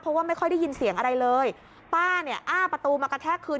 เพราะว่าไม่ค่อยได้ยินเสียงอะไรเลยป้าเนี่ยอ้าประตูมากระแทกคืน